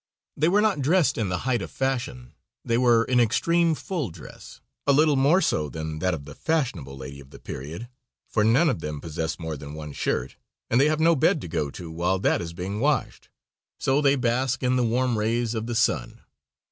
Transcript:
They were not dressed in the height of fashion; they were in extreme full dress a little more so than that of the fashionable lady of the period, for none of them possess more than one shirt, and they have no bed to go to while that is being washed; so they bask in the warm rays of the sun.